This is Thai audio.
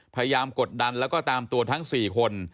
กดดันแล้วก็ตามตัวทั้ง๔คน